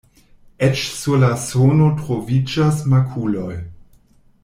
Eĉ sur la suno troviĝas makuloj.